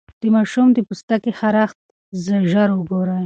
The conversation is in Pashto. د ماشوم د پوستکي خارښت ژر وګورئ.